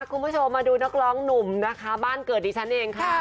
คุณผู้ชมมาดูนักร้องหนุ่มนะคะบ้านเกิดดิฉันเองค่ะ